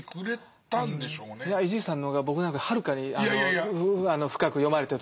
いや伊集院さんの方が僕なんかよりはるかに深く読まれてると思います。